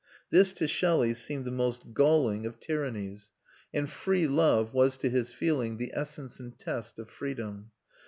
This, to Shelley, seemed the most galling of tyrannies; and free love was, to his feeling, the essence and test of freedom.